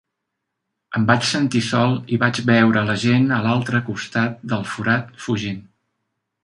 Em vaig sentir sol i vaig veure la gent a l'altre costat del forat fugint.